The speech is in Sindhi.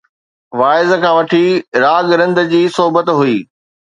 واعظ کان وٺي، راڳ رند جي صحبت هئي